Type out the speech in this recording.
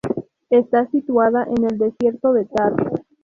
Está situada en el desierto de Thar.